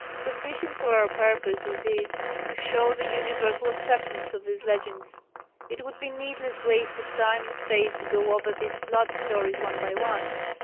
Sufficient for our purpose is it to show the universal acceptation of these legends. It would be needless waste of time and space to go over these flood stories one by one.